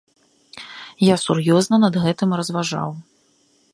Я сур'ёзна над гэтым разважаў.